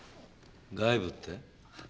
外部って？